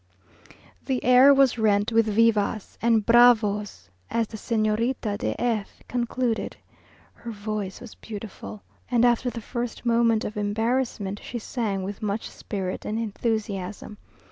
The air was rent with vivas! and bravos! as the Señorita de F concluded. Her voice was beautiful, and after the first moment of embarrassment, she sang with much spirit and enthusiasm.